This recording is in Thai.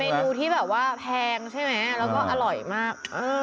นูที่แบบว่าแพงใช่ไหมแล้วก็อร่อยมาก